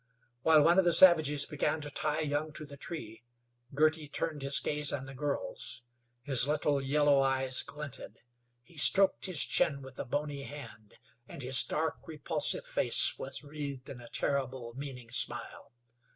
While one of the savages began to tie Young to the tree, Girty turned his gaze on the girls. His little, yellow eyes glinted; he stroked his chin with a bony hand, and his dark, repulsive face was wreathed in a terrible, meaning smile.